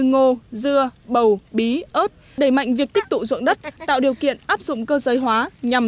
ngô dưa bầu bí ớt đẩy mạnh việc tích tụ ruộng đất tạo điều kiện áp dụng cơ giới hóa nhằm